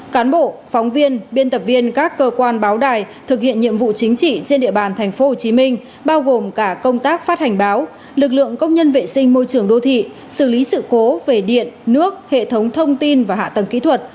cán bộ phóng viên biên tập viên các cơ quan báo đài thực hiện nhiệm vụ chính trị trên địa bàn tp hcm bao gồm cả công tác phát hành báo lực lượng công nhân vệ sinh môi trường đô thị xử lý sự cố về điện nước hệ thống thông tin và hạ tầng kỹ thuật